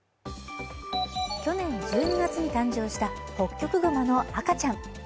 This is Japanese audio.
去年１２月に誕生したホッキョクグマの赤ちゃん。